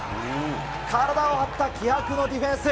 体を張った気迫のディフェンス。